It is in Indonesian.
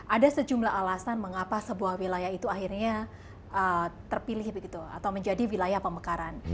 ada sejumlah alasan mengapa sebuah wilayah itu akhirnya terpilih begitu atau menjadi wilayah pemekaran